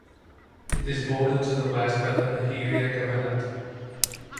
It is bordered to the west by the Beheira Governorate.